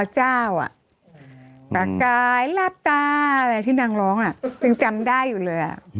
อ๋อเจ้าอ่ะหลับตาอะไรที่นางร้องอ่ะจึงจำได้อยู่เลยอ่ะ